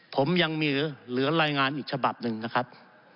ผมยังมีเหลือรายงานอีกฉบับหนึ่งนะครับ